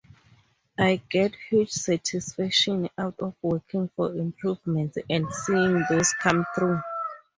I get huge satisfaction out of working for improvements and seeing those come through.